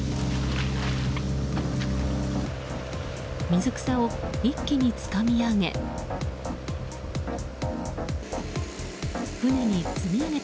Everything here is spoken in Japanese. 水草を一気につかみ上げ。